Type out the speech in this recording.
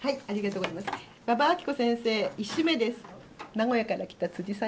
名古屋から来た辻さん